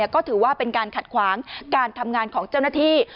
ก็ถือว่าเป็นการขัดขวางการทำงานของเจ้าหน้าที่